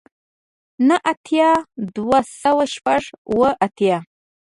نه اتیای دوه سوه شپږ اوه اتیا